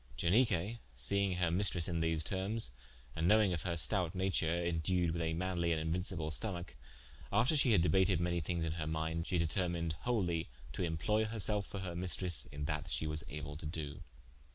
Ianique seing her maistresse in these termes, and knowinge her stoute nature, indued with a manly and inuincible stomacke, after shee had debated manye thinges in her minde, she determined wholie to imploye herselfe for her maistres in that shee was able to doe.